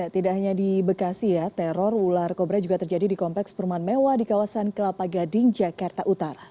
tidak hanya di bekasi ya teror ular kobra juga terjadi di kompleks perumahan mewah di kawasan kelapa gading jakarta utara